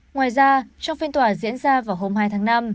ngoài ra trong phiên tòa diễn ra vào hôm hai tháng năm